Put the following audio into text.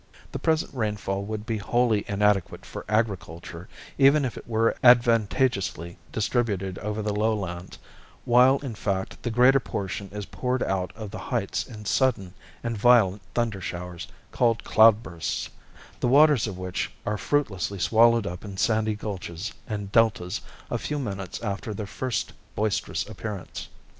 The present rainfall would be wholly inadequate for agriculture, even if it were advantageously distributed over the lowlands, while in fact the greater portion is poured out on the heights in sudden and violent thundershowers called "cloud bursts," the waters of which are fruitlessly swallowed up in sandy gulches and deltas a few minutes after their first boisterous appearance.